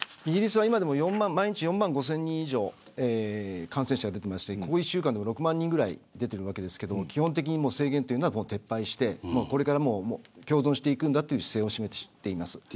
イギリスは今でも毎日４万５０００人以上感染者が出ていましてここ１週間でも６万人ぐらい出ているわけなんですけれども基本的に制限というのは撤廃してこれから共存していくんだって姿勢を示しています。